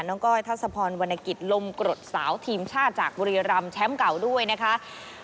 ก้อยทัศพรวรรณกิจลมกรดสาวทีมชาติจากบุรีรำแชมป์เก่าด้วยนะคะ